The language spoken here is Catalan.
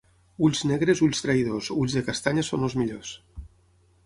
Ulls negres, ulls traïdors; ulls de castanya són els millors.